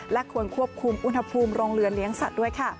และควรควบคุมอุณหภูมิโรงเรือเลี้ยงสัตว์ด้วยค่ะ